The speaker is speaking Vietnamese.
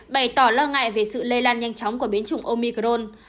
bày tỏ lo ngại về sự lây lan nhanh chóng của biến chủng omicron